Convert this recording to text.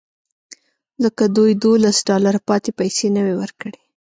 ځکه دوی دولس ډالره پاتې پیسې نه وې ورکړې